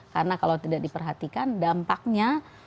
karena kalau tidak diperhatikan dampaknya